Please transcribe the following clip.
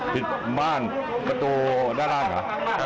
ผิดบ้านประตูด้านล่างเหรอ